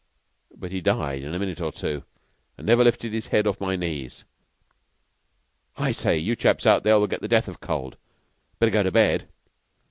But he died in a minute or two never lifted his head off my knees... I say, you chaps out there will get your death of cold. Better go to bed."